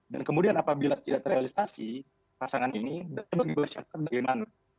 dan kemudian apabila tidak terrealisasi pasangan ini bagaimana